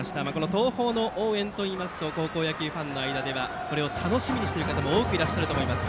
東邦の応援というと高校野球ファンの間ではこれを楽しみにしてる方も多くいらっしゃると思います。